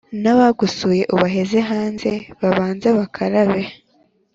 N’abagusuye ubaheze hanze babanze bakarabe